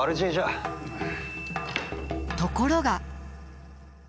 ところが。